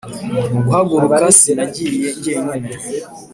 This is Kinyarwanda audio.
mu guhaguruka sinagiye jyenyine,